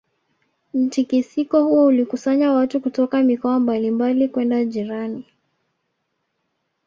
Mtikisiko huo ulikusanya watu kutoka mikoa mbali mbali kwenda jirani